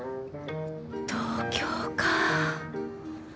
東京か。